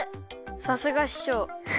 さすがししょう。